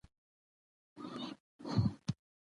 جمله بشپړ مفهوم لري.